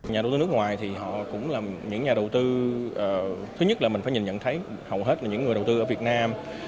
nhà đầu tư nước ngoài thì họ cũng là những nhà đầu tư thứ nhất là mình phải nhìn nhận thấy hầu hết là những người đầu tư ở việt nam